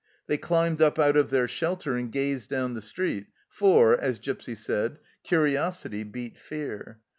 They climbed up out of their shelter and gazed down the street, for, as Gipsy said, " Curiosity beat fear."